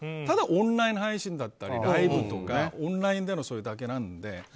ただ、オンライン配信だったりライブとか、オンラインでのそういうのだけなので。